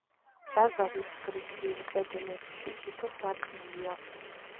დარბაზის გრძივ კედლებში თითო სარკმელია.